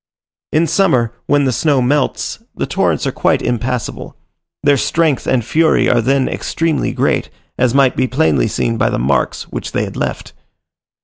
In summer, when the snow melts, the torrents are quite impassable; their strength and fury are then extremely great, as might be plainly seen by the marks which they had left.